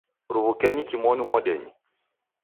Ruw'ukenyi kimonu modenyi